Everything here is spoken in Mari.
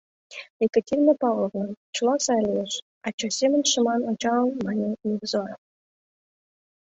Екатерина Павловна, чыла сай лиеш, — ача семын шыман ончалын, мане Невзоров.